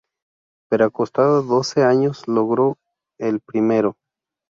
Pero ha costado doce años lograr el primero.